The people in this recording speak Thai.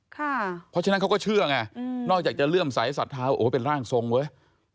เพราะฉะนั้นเขาก็เชื่อไงนอกจากจะเลื่อมใสสัทธาโอ้โหเป็นร่างทรงเว้ย